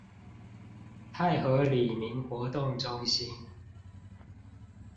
泰和里民活動中心